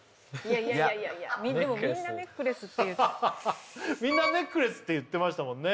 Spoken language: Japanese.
いやいやいやでもみんなネックレスって言ってみんなネックレスって言ってましたもんね